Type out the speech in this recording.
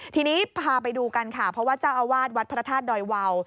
ทีนี้พาไปดูกันค่ะเพราะว่าเจ้าอาวาสวัดพระธาตุดอยวาว